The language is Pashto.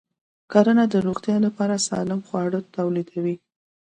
کرنه د روغتیا لپاره سالم خواړه تولیدوي.